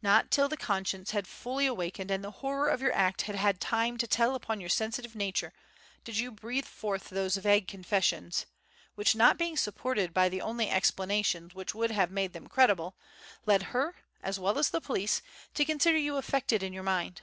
Not till conscience had fully awakened and the horror of your act had had time to tell upon your sensitive nature, did you breathe forth those vague confessions, which, not being supported by the only explanations which would have made them credible, led her, as well as the police, to consider you affected in your mind.